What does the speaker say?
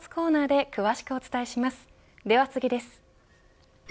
では次です。